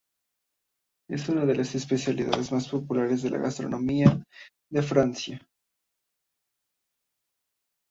Es una de las especialidades más populares de la Gastronomía de Franconia.